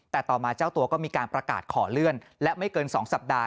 แต่ต่อมาเจ้าตัวก็มีการประกาศขอเลื่อนและไม่เกิน๒สัปดาห